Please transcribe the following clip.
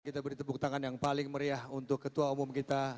kita beri tepuk tangan yang paling meriah untuk ketua umum kita